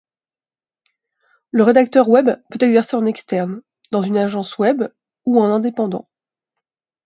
Le rédacteur web peut exercer en externe, dans une agence Web ou en indépendant.